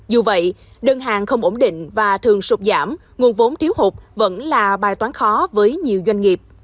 dù vậy đơn hàng không ổn định và thường sụp giảm nguồn vốn thiếu hụt vẫn là bài toán khó với nhiều doanh nghiệp